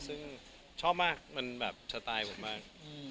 ซึ่งชอบมากมันแบบสไตล์ผมมาก